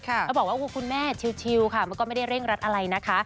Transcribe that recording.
เขาบอกว่าคุณแม่ชิวค่ะมันก็ไม่ได้เร่งรัดอะไรนะคะ